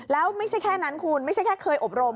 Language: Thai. แล้วไม่ใช่แค่นั้นคุณไม่ใช่แค่เคยอบรม